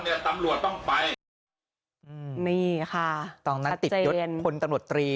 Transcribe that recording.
เนี่ยตำรวจต้องไปอืมนี่ค่ะตอนนั้นติดยศพลตำรวจตรี